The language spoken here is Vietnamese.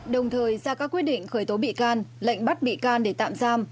đồng thời ra các quyết định khởi tố bị can lệnh bắt bị can để tạm giam